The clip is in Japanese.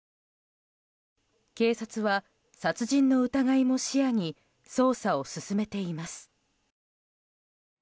警察は殺人の疑いも視野に捜査を進めています。